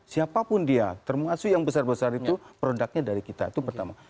siapapun dia termasuk yang besar besar itu produknya dari kita itu pertama